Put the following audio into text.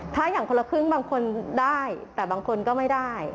ถ้าอย่างคนละครึ่งบางคนได้แต่บางคนก็ไม่ได้